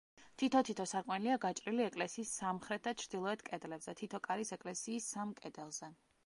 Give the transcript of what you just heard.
თითო-თითო სარკმელია გაჭრილი ეკლესიის სამხრეთ და ჩრდილოეთ კედლებზე, თითო კარის ეკლესიის სამ კედელზე.